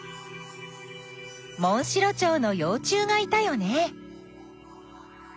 モンシロチョウのよう虫がいたよね。